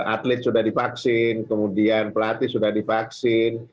atlet sudah dipaksin kemudian pelatih sudah dipaksin